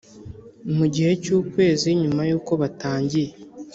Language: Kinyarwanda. Mu gihe cy ukwezi nyuma y uko batangiye